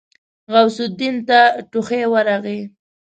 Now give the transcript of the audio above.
غوث الدين ته ټوخی ورغی.